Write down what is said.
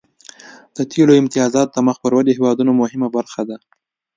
د تیلو امتیازات د مخ پر ودې هیوادونو مهمه برخه ده